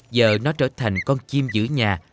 giờ nó trở thành con chim giữ nhà